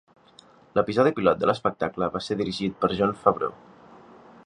L'episodi pilot de l'espectacle va ser dirigit per Jon Favreau.